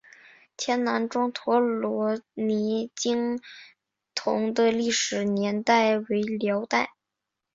前南庄陀罗尼经幢的历史年代为辽代。